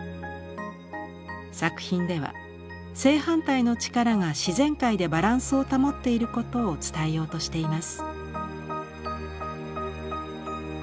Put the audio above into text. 作品では正反対の力が自然界でバランスを保っていることを伝えようとしています。